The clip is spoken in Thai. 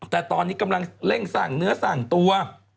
แต่ตอนนี้กำลังเร่งสั่งเนื้อสั่งตัว